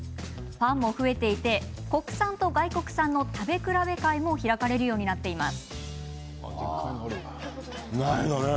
ファンも増えていて国産と外国産の食べ比べ会も開かれるようになっています。